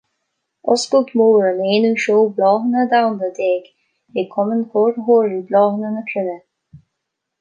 Oscailt Mór an aonú Seó Bláthanna Domhanda déag ag Cumann Cóiritheoirí Bláthanna na Cruinne.